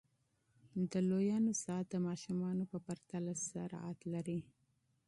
د لویانو ساعت د ماشومانو په پرتله سرعت لري.